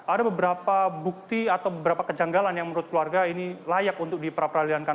ada beberapa bukti atau beberapa kejanggalan yang menurut keluarga ini layak untuk diperaliankan